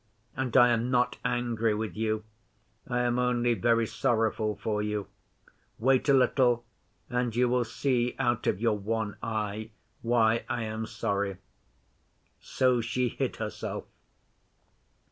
And I am not angry with you. I am only very sorrowful for you. Wait a little, and you will see out of your one eye why I am sorry." So she hid herself.